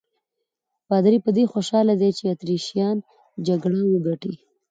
پادري په دې خوشاله دی چې اتریشیان جګړه وګټي.